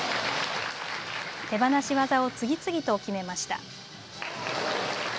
手放し技を次々と決めました。